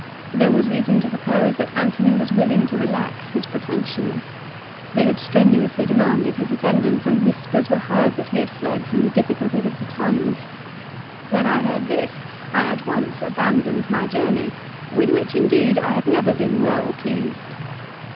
There was reason to suppose that Antony was willing to relax his pretensions. They had strenuously demanded his attendance, and whispers were heard that he had fled from the difficul ties of the times. "When I heard this, I at once aban doned my journey, with which, indeed, I had never been well pleased."